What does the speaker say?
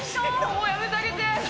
もう、やめてあげて。